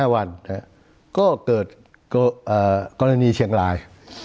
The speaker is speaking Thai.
๕วันก็เกิดกรณีเชียงราย